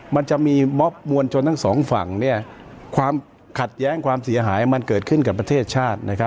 มันจะมีม็อบมวลชนทั้งสองฝั่งความขัดแย้งความเสียหายมันเกิดขึ้นกับประเทศชาติ